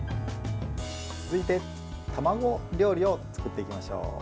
続いて卵料理を作っていきましょう。